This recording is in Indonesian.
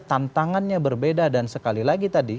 tantangannya berbeda dan sekali lagi tadi